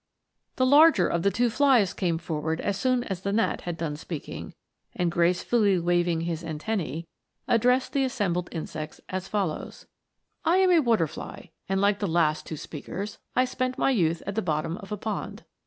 The larger of the two flies came forward as soon as the gnat had done speaking, and gracefully waving his antennae, addressed the assembled insects as fol lows :" I am a water fly, and, like the last two speakers, I spent my youth at the bottom of a pond.